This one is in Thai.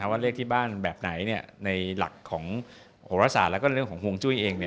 ว่าเลขที่บ้านแบบไหนในหลักของโหรศาสตร์แล้วก็เรื่องของฮวงจุ้ยเอง